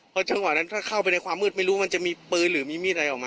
พอมีทราบมาก่อนถ้าไปมืดมืดจะจับไว้มีมีดอะไรออกมา